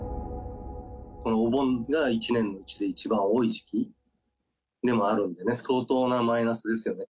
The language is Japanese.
このお盆が一年のうちで一番多い時期でもあるんでね、相当なマイナスですよね。